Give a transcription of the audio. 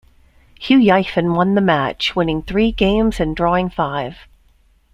Hou Yifan won the match, winning three games and drawing five.